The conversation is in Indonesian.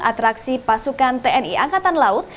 atraksi pasukan tni angkatan laut